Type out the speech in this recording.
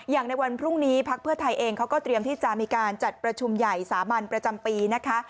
อย่างในวันพรุ่งนี้พักเพื่อไทยเองเขาก็เตรียมที่จะมีการจัดประชุมใหญ่สามัญประจำปีนะคะ